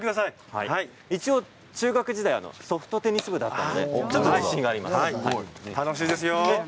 一応、中学時代ソフトテニス部だったので自信があります。